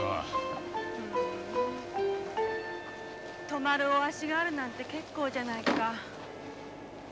泊まる御足があるなんて結構じゃないか。